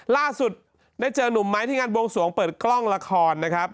ล่าสุดได้เจอนุ่มไม้ที่งานบวงสวงเปิดกล้องละครนะครับ